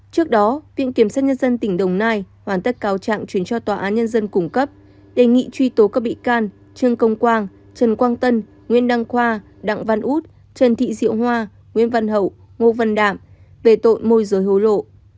trước đó viện kiểm sát nhân dân tỉnh đồng nai hoàn tất cáo trạng chuyển cho tòa án nhân dân cung cấp đề nghị truy tố các bị can trương công quang trần quang tân nguyễn đăng khoa đặng văn út trần thị diệu hoa nguyễn văn hậu ngô văn đạm về tội môi giới hối lộ